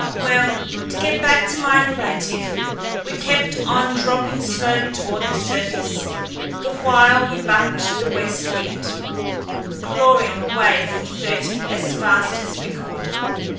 Well, to get back to my narrative; we kept on dropping slowly toward the surface the while we bucked the west wind, clawing away from thirty as fast as we could.